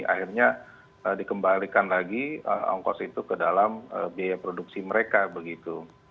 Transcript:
akhirnya dikembalikan lagi ongkos itu ke dalam biaya produksi mereka begitu